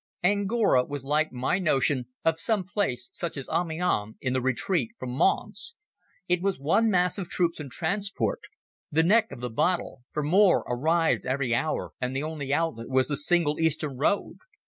Angora was like my notion of some place such as Amiens in the retreat from Mons. It was one mass of troops and transport—the neck of the bottle, for more arrived every hour, and the only outlet was the single eastern road.